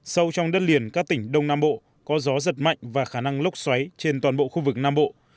sâu trong đất liền các tỉnh đông nam bộ có gió giật mạnh và khả năng lốc xoáy trên toàn bộ khu vực nam bộ